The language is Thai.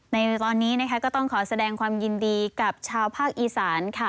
ในตอนนี้นะคะก็ต้องขอแสดงความยินดีกับชาวภาคอีสานค่ะ